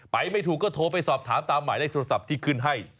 ไม่ถูกก็โทรไปสอบถามตามหมายเลขโทรศัพท์ที่ขึ้นให้